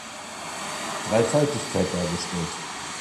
Dreifaltigkeit dargestellt.